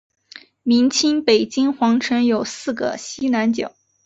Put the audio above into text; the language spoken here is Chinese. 明清北京皇城有两个西南角。